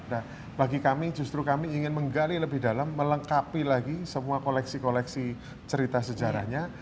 nah bagi kami justru kami ingin menggali lebih dalam melengkapi lagi semua koleksi koleksi cerita sejarahnya